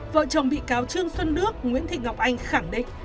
vợ chồng bị cáo trương xuân đức nguyễn thị ngọc anh khẳng định